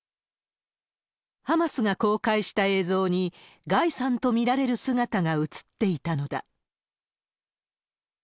ハマスが公開した映像に、ガイさんと見られる姿が映っていたのだ。